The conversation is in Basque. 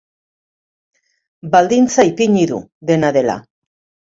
Baldintza ipini du, dena dela.